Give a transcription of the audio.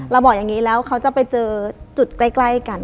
บอกอย่างนี้แล้วเขาจะไปเจอจุดใกล้กัน